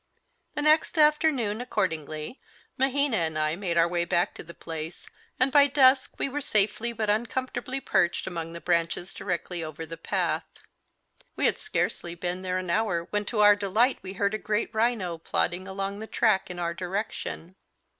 The next afternoon, accordingly, Mahina and I made our way back to the place, and by dusk we were safely but uncomfortably perched among the branches directly over the path. We had scarcely been there an hour when to our delight we heard a great rhino plodding along the track in our direction.